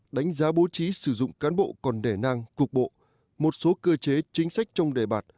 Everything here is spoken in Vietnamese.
đánh giá bố trí sử dụng cán bộ còn đề nang cục bộ một số cơ chế chính sách trong đề bạt